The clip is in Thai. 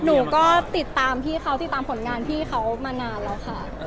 หนูก็ติดตามพี่เขาติดตามผลงานพี่เขามานานแล้วค่ะ